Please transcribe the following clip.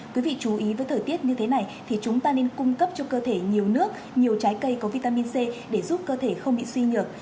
quý vị chú ý với thời tiết như thế này thì chúng ta nên cung cấp cho cơ thể nhiều nước nhiều trái cây có vitamin c để giúp cơ thể không bị suy nhược